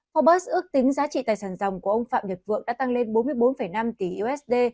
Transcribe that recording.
hobburg ước tính giá trị tài sản dòng của ông phạm nhật vượng đã tăng lên bốn mươi bốn năm tỷ usd